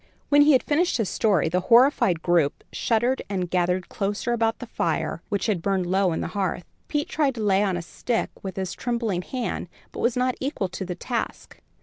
When he had finished his story, the horrified group shuddered and gathered closer about the fire which had burned low on the hearth. Pete tried to lay on a stick with his trembling hand, but was not equal to the task.